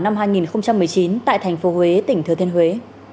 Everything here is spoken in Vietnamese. năm hai nghìn một mươi chín tại thành phố huế tỉnh thừa thiên huế